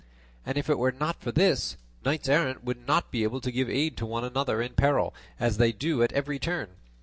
And if it were not for this, knights errant would not be able to give aid to one another in peril, as they do at every turn.